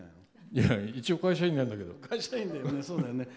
いや、一応会社員なんだけど。